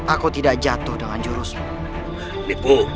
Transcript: aku tidak jatuh dengan jurus